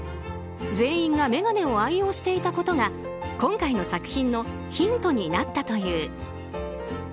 全員が眼鏡を愛用していたことが今回の作品のヒントになったという。